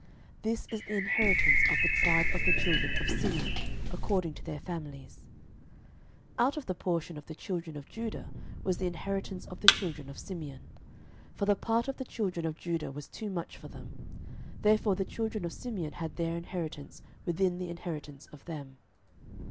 This is the inheritance of the tribe of the children of Simeon according to their families. 06:019:009 Out of the portion of the children of Judah was the inheritance of the children of Simeon: for the part of the children of Judah was too much for them: therefore the children of Simeon had their inheritance within the inheritance of them.